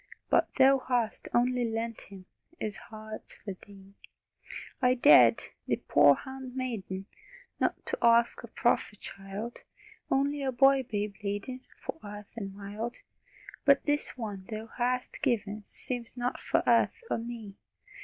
But Thou hast only lent Him, His heart's for Thee! I dared Thy poor hand maiden Not ask a prophet child: Only a boy babe laden For earth and mild. But this one Thou hast given Seems not for earth or me!